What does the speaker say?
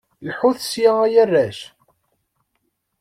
Lḥut sya ay arrac!